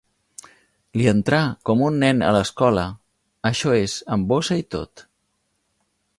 Li entrà com un nen a l'escola, això és, amb bossa i tot.